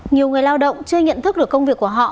nhiều người lao động chưa nhận thức được công việc của họ